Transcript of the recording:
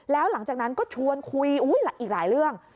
แล้วหลังจากนั้นก็ชวนคุยอีกหลายเรื่อง